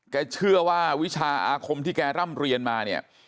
เชื่อว่าวิชาอาคมที่แกร่ำเรียนมาเนี่ย